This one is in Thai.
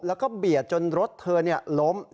แล้วก็เบียดจนรถเธอล้ม